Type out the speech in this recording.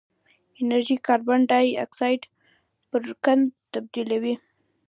انرژي کاربن ډای اکسایډ پر قند تبدیلوي.